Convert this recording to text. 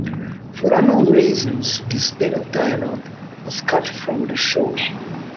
For unknown reasons, this bit of dialogue was cut from the show.